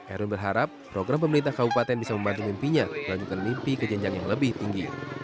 erwin berharap program pemerintah kabupaten bisa membantu mimpinya melanjutkan mimpi ke jenjang yang lebih tinggi